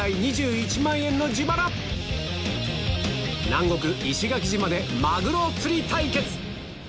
南国石垣島でマグロ釣り対決！